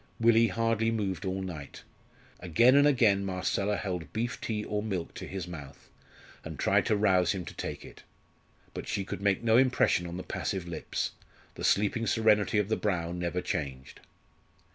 Willie hardly moved all night. Again and again Marcella held beef tea or milk to his mouth, and tried to rouse him to take it, but she could make no impression on the passive lips; the sleeping serenity of the brow never changed.